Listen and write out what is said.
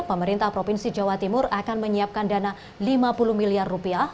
pemerintah provinsi jawa timur akan menyiapkan dana lima puluh miliar rupiah